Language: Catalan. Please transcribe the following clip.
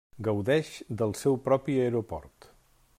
Gaudeix del seu propi aeroport.